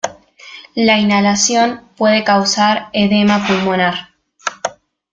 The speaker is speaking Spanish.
La inhalación puede causar edema pulmonar.